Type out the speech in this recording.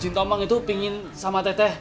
sintomang itu pingin sama teteh